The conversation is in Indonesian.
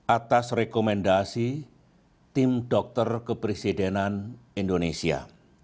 atas rekomendasi tim dokter kepresidenan indonesia